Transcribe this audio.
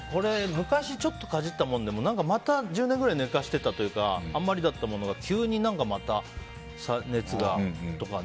昔ちょっとかじったものでもまた１０年ぐらい寝かしていたというものが急にまた、熱がとかね。